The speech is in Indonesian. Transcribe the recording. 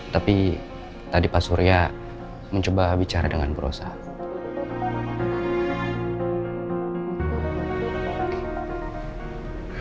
tapi tadi pak surya mencoba bicara dengan perusahaan